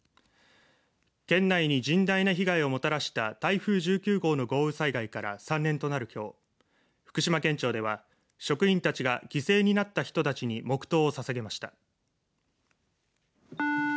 県内に甚大な被害をもたらした台風１９号の豪雨災害から３年となるきょう福島県庁では職員たちが犠牲になった人たちに黙とうをささげました。